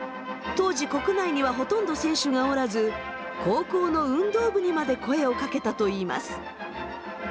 当時国内にはほとんど選手がおらず高校の運動部にまで声をかけたといいます。